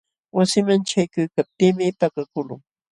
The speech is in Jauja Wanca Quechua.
Wasinman ćhaykuykaptiimi pakakuqlun.